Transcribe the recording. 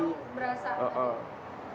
baru berasa angin